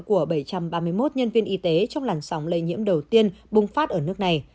của bảy trăm ba mươi một nhân viên y tế trong làn sóng lây nhiễm đầu tiên bùng phát ở nước này